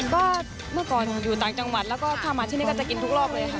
ก็เมื่อก่อนอยู่ต่างจังหวัดแล้วก็ถ้ามาที่นี่ก็จะกินทุกรอบเลยค่ะ